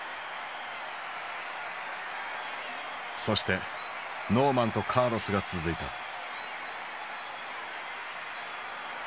そしてノーマンとカーロスが続いた。